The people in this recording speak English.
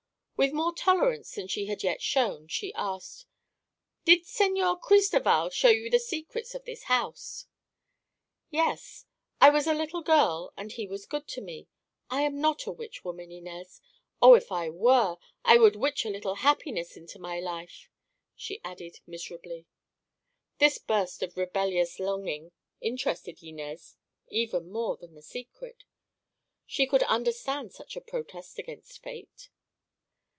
With more tolerance than she had yet shown she asked: "Did Señor Cristoval show you the secrets of this house?" "Yes. I was a little girl and he was good to me. I am not a witch woman, Inez. Oh, if I were, I would witch a little happiness into my life!" she added miserably. This burst of rebellious longing interested Inez even more than the secret. She could understand such a protest against fate.